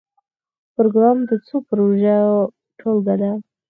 پروګرام د څو پروژو ټولګه ده